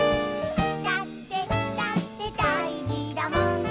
「だってだってだいじだもん」